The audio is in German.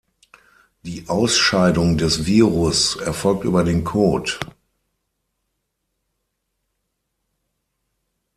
Die Ausscheidung des Virus erfolgt über den Kot.